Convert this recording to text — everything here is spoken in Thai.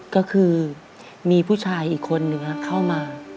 ก็คือมีผู้ชายอีกคนนึงเข้ามา